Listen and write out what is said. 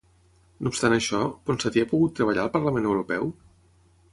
No obstant això, Ponsatí ha pogut treballar al Parlament Europeu?